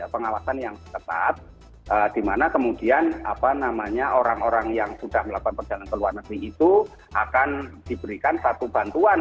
pengawasan yang ketat di mana kemudian orang orang yang sudah melakukan perjalanan ke luar negeri itu akan diberikan satu bantuan